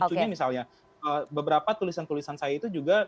bahkan lucunya misalnya beberapa tulisan tulisan saya itu juga